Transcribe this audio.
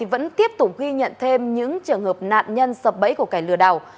vẫn tiếp tục ghi nhận thêm những trường hợp nạn nhân sập bẫy của kẻ lừa đảo